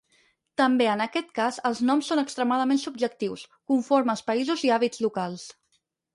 També, en aquest cas, els noms són extremadament subjectius, conforme als països i hàbits locals.